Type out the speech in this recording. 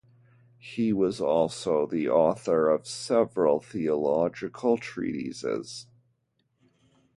He was also the author of several theological treatises.